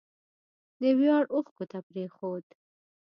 د ویاړ اوښکو ته پرېښود